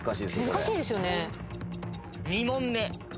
難しいですよね。